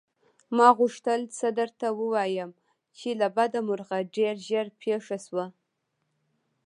ما غوښتل څه درته ووايم چې له بده مرغه ډېر ژر پېښه شوه.